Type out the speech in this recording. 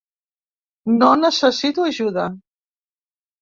No necessito ajuda!